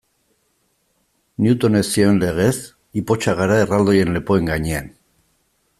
Newtonek zioen legez, ipotxak gara erraldoien lepoen gainean.